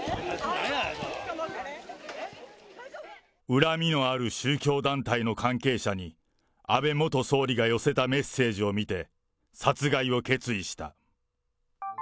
恨みのある宗教団体の関係者に、安倍元総理が寄せたメッセージを見て、殺害を決意した。